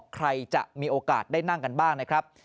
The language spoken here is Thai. ใครจะมีโอกาสได้นั่งกันบ้างนะครับ